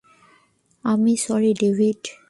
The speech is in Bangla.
আমি, সরি, ডেভিড!